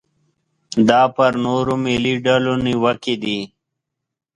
دا پر نورو ملي ډلو نیوکې دي.